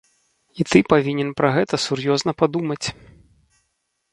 І ты павінен пра гэта сур'ёзна падумаць.